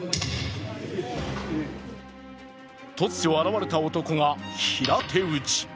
突如現れた男が平手打ち。